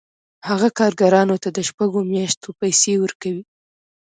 هغه کارګرانو ته د شپږو میاشتو پیسې ورکوي